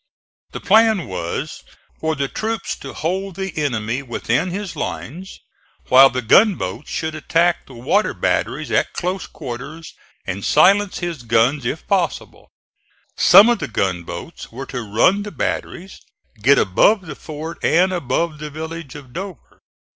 The plan was for the troops to hold the enemy within his lines, while the gunboats should attack the water batteries at close quarters and silence his guns if possible. Some of the gunboats were to run the batteries, get above the fort and above the village of Dover.